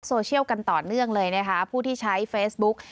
โซเชียลกันต่อเนื่องเลยนะคะผู้ที่ใช้เฟซบุ๊ก